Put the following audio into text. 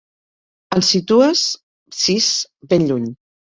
En situes sis ben lluny.